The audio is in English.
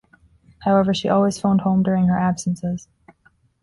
However, she always phoned home during her absences.